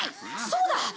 そうだ！